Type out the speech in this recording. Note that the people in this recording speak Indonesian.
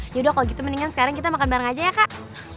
yaudah kalau gitu mendingan sekarang kita makan bareng aja ya kak